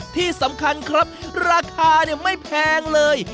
ที่สำคัญครับราคาไม่แพงเลย